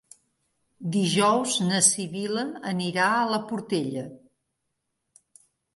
Dijous na Sibil·la anirà a la Portella.